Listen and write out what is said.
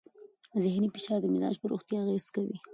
ذهنې فشار د مزاج پر روغتیا اغېز کوي.